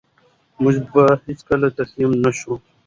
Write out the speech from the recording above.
موږ به هېڅکله تسلیم نه شو.